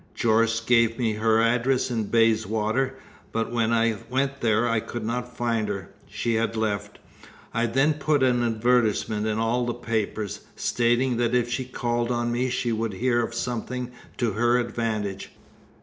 Jorce gave me her address in Bayswater, but when I went there I could not find her; she had left. I then put an advertisement in all the papers, stating that if she called on me she would hear of something to her advantage.